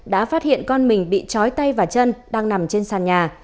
đã phát hiện con mình bị chói tay và chân đang nằm trên sàn nhà